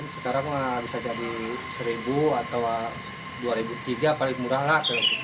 sekarang bisa jadi satu atau dua tiga ratus paling murah lah